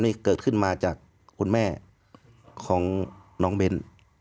นี่เกิดขึ้นมาจากคุณแม่ของน้องเบ้น